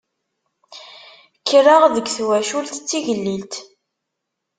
Kkreɣ deg twacult d tigellilt.